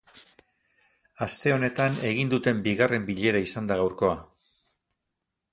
Aste honetan egin duten bigarren bilera izan da gaurkoa.